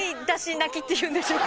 っていうんでしょうか。